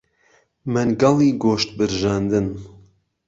مەنگەڵی گۆشت برژاندن